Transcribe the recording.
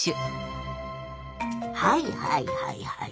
はいはいはいはい。